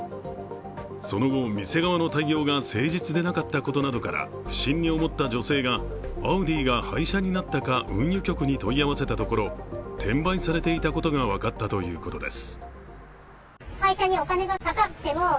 その後、店側の対応が誠実でなかったことから不審に思った女性が、アウディが廃車になったか運輸局に問い合わせたところ、転売されていたことが分かったということです